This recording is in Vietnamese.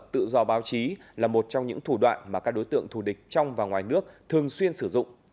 tự do báo chí là một trong những thủ đoạn mà các đối tượng thù địch trong và ngoài nước thường xuyên sử dụng